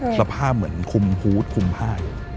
สภาพเหมือนคุมพูดคุมพ่าย